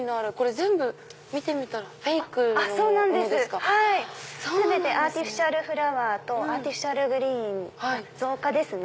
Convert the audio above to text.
全てアーティフィシャルフラワーとアーティフィシャルグリーン造花ですね。